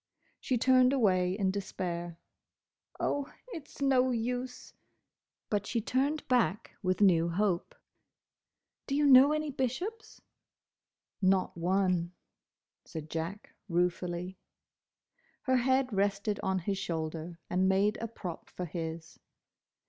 She turned away in despair. "Oh, it's no use!" But she turned back with new hope. "Do you know any Bishops?" "Not one," said Jack, ruefully. Her head rested on his shoulder, and made a prop for his.